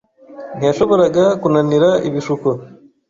Ntiyashoboraga kunanira ibishuko.